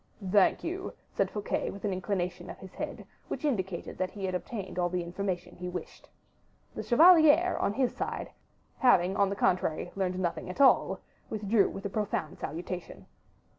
"Thank you," said Fouquet, with an inclination of the head, which indicated that he had obtained all the information he wished. The chevalier, on his side, having, on the contrary, learned nothing at all, withdrew with a profound salutation.